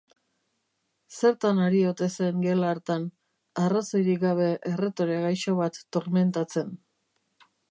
Zer-tan ari ote zen gela hartan, arrazoirik gabe erretore gaixo bat tormentatzen?